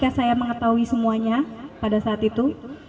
ketika saya mengetahui semuanya pada saat itu